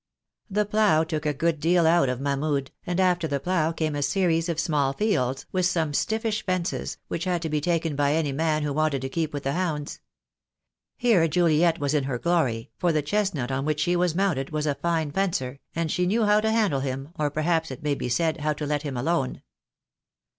The plough took a good deal out of Mahmud, and after the plough came a series of small fields, with some stiffish fences, which had to be taken by any man who wanted to keep with the hounds. Here Juliet was in her glory, for the chestnut on which she was mounted was a fine fencer, and she knew how to handle him, or, per haps it may be said, how to let him alone.